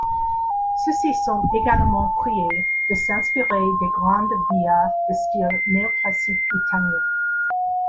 Ceux-ci sont également priés de s’inspirer des grandes villas de style néo-classique italien.